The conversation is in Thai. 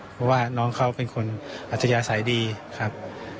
เพราะว่าน้องเขาเป็นคนอัธยาศัยดีครับ